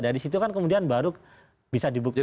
dari situ kan kemudian baru bisa dibuktikan